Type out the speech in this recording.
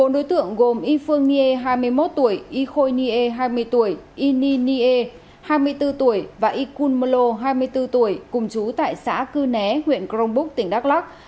bốn đối tượng gồm y phương nghê hai mươi một tuổi y khôi nghê hai mươi tuổi y nhi nghê hai mươi bốn tuổi và y khun mơ lô hai mươi bốn tuổi cùng chú tại xã cư né huyện cronbuk tỉnh đắk lắc